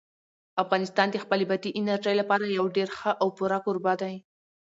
افغانستان د خپلې بادي انرژي لپاره یو ډېر ښه او پوره کوربه دی.